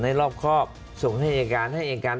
ให้รอบครอบส่งให้เอกการ